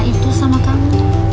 gatuh sama kamu